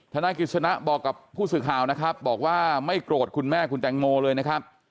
ธนายกิจสนะบอกกับผู้สื่อข่าวนะครับบอกว่าไม่โกรธคุณแม่คุณแตงโมเลยนะครับ